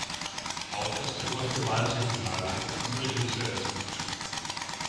Auch das Oberste Wahltribunal hat um unsere Hilfe ersucht.